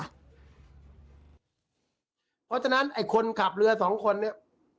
เพราะฉะนั้นไอ้คนขับเรือสองคนเนี่ย